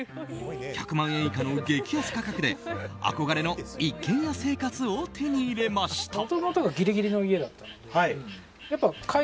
１００万円以下の激安価格で憧れの一軒家生活を手に入れました。